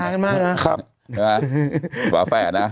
นักข่าวกันมากนะครับฝาแฝดนะ